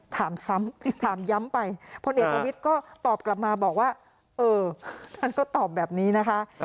ถามซ้ำถามย้ำไปพลเอกประวิทย์ก็ตอบกลับมาบอกว่าเออท่านก็ตอบแบบนี้นะคะ